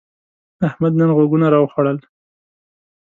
احمد نن غوږونه راوخوړل.